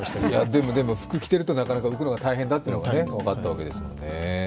でもでも、服着てるとなかなか浮くのは大変だというのが分かったんですもんね。